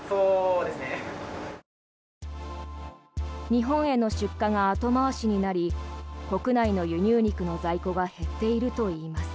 日本への出荷が後回しになり国内の輸入肉の在庫が減っているといいます。